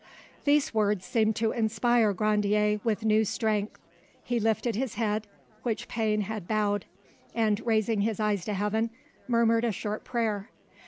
These words seemed to inspire Grandier with new strength; he lifted his head, which pain had bowed, and raising his eyes to heaven, murmured a short prayer.